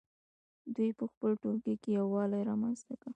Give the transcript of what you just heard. دوی په خپل ټولګي کې یووالی رامنځته کړ.